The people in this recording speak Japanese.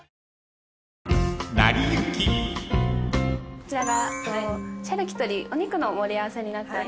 こちらがシャルキュトリーお肉の盛り合わせになっております。